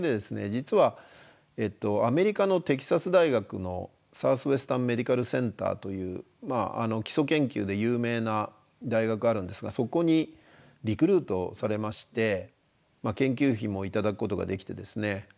実はアメリカのテキサス大学のサウスウェスタンメディカルセンターという基礎研究で有名な大学があるんですがそこにリクルートされまして研究費も頂くことができてですね